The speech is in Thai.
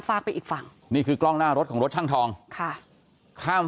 ไปอีกฝั่งนี่คือกล้องหน้ารถของรถช่างทองค่ะข้าม